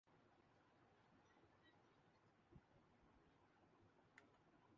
دریا کا پانی بہتا ہی رہتا ہے